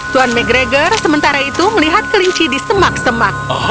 tuan mcgregor sementara itu melihat kelinci di semak semak